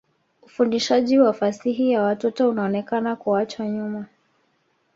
Ufundishaji wa fasihi ya watoto unaonekana kuachwa nyuma.